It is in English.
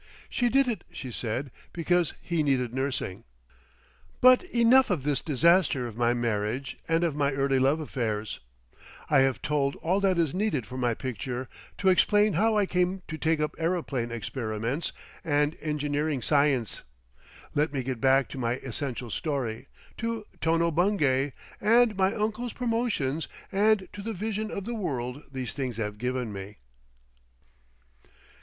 She did it, she said, because he needed nursing.... But enough of this disaster of my marriage and of my early love affairs; I have told all that is needed for my picture to explain how I came to take up aeroplane experiments and engineering science; let me get back to my essential story, to Tono Bungay and my uncle's promotions and to the vision of the world these things have given me.